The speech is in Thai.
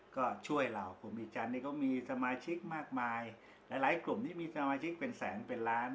ก็ช่วยเรากลุ่มอีจันทร์นี่ก็มีสมาชิกมากมายหลายหลายกลุ่มนี้มีสมาชิกเป็นแสนเป็นล้าน